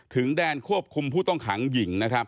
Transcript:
ถึงแดนควบคุมผู้ต้องขังหญิงนะครับ